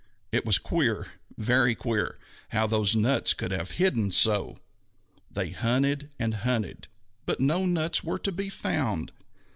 It was queer, very queer, how those nuts could have hidden so! They hunted and hunted, but no nuts were to be found.